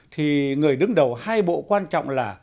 thì người đứng đầu hai bộ quan trọng là